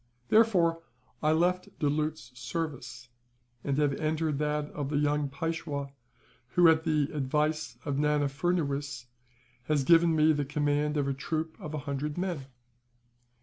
Therefore I left Doulut's service, and have entered that of the young Peishwa who, at the advice of Nana Furnuwees, has given me the command of a troop of a hundred men.